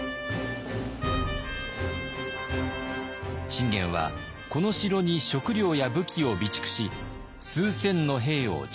信玄はこの城に食料や武器を備蓄し数千の兵を常駐させました。